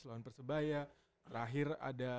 lawan persebaya terakhir ada